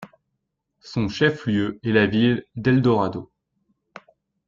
Son chef-lieu est la ville d'Eldorado.